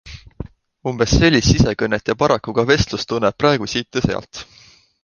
Umbes sellist sisekõnet ja paraku ka vestlust tunneb praegu siit ja sealt.